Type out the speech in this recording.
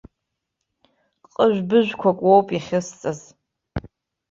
Ҟыжәбыжәқәак уоуп иахьысҵаз.